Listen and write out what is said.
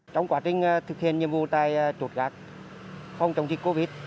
trong quá trình thực hiện nhiệm vụ tai trột gạt phòng chống dịch covid